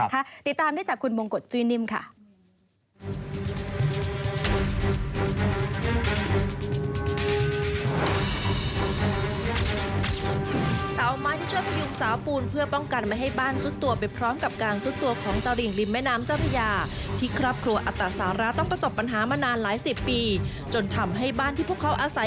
ติดตามได้จากคุณมงกฎจุ้ยนิ่มค่ะ